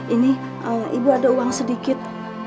ini ibu ada uang sedikit